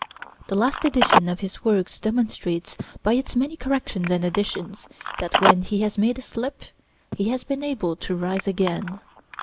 The last edition of his works demonstrates, by its many corrections and additions, that when he has made a slip, he has been able to rise again.